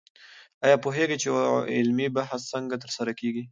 آیا پوهېږئ چې علمي بحث څنګه ترسره کېږي؟